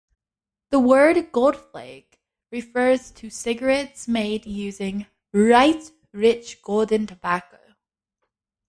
The word "goldflake" refers to cigarettes made using "bright rich golden tobacco".